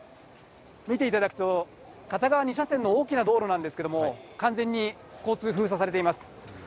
見ていただくと、片側２車線の大きな道路なんですけれども、完全に交通封鎖されています。